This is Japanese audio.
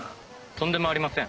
とんでもありません。